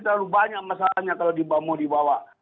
terlalu banyak masalahnya kalau mau dibawa